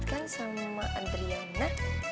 deket kan sama adriana